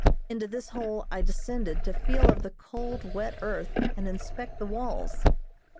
Into this hole I descended to feel of the cold, wet earth and inspect the walls.